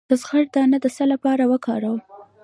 د زغر دانه د څه لپاره وکاروم؟